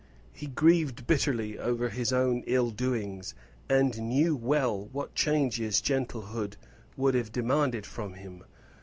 He grieved bitterly over his own ill doings, and knew well what changes gentlehood would have demanded from him.